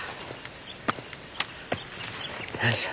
よいしょ。